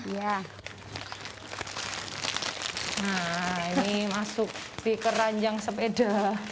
nah ini masuk di keranjang sepeda